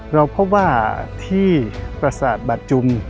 เราพบว่าที่ปราศาสตร์บัจจุม